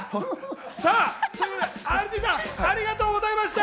ＲＧさん、ありがとうございました。